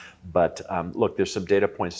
saya pikir kemungkinan tersebut sangat rendah